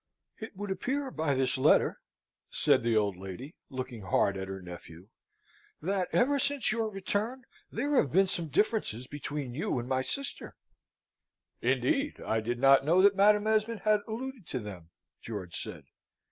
"It would appear by this letter," said the old lady, looking hard at her nephew, "that ever since your return, there have been some differences between you and my sister." "Indeed? I did not know that Madam Esmond had alluded to them," George said.